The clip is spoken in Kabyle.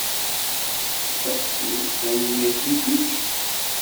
Ddeqs-iw, tanemmirt. I kecc?